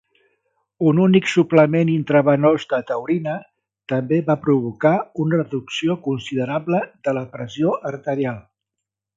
Un únic suplement intravenós de taurina també va provocar una reducció considerable de la pressió arterial.